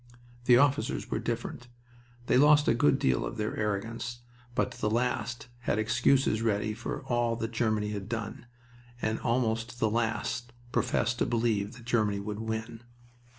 The officers were different. They lost a good deal of their arrogance, but to the last had excuses ready for all that Germany had done, and almost to the last professed to believe that Germany would win.